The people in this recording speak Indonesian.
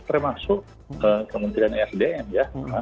termasuk kementerian sdm ya